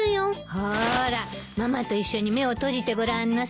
ほらママと一緒に目を閉じてごらんなさい。